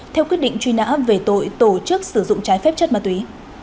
theo quyết định truy nã về tội tổ chức sử dụng trái phép chất ma túy